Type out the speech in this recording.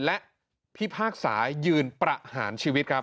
และพิพากษายืนประหารชีวิตครับ